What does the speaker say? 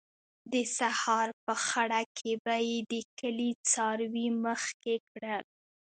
د سهار په خړه کې به یې د کلي څاروي مخکې کړل.